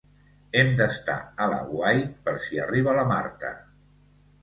Hem d'estar a l'aguait per si arriba la Marta.